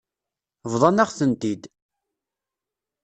Bḍan-aɣ-tent-id.